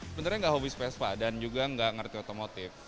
sebenarnya nggak hobi vespa dan juga nggak ngerti otomotif